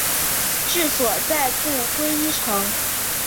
治所在故归依城。